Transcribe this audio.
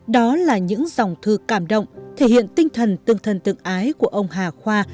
đó là những dòng thư cảm động thể hiện tinh thần tương thân tương ái của ông hà khoa